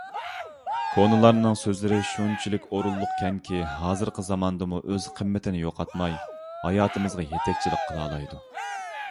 كونىلارنىڭ سۆزلىرى شۇنچىلىك ئورۇنلۇقكەنكى، ھازىرقى زاماندىمۇ ئۆز قىممىتىنى يوقاتماي، ھاياتىمىزغا يېتەكچىلىك قىلالايدۇ.